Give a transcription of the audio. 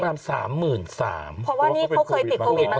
เพราะว่านี่เขาเคยติดโควิดมา